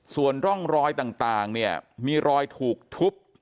ส่วนร่องรอยต่างเนี่ยมีรอยถูกทุบ